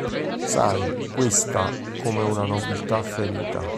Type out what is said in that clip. Sai, questa... come una nobiltà ferita.